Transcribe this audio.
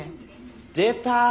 出た！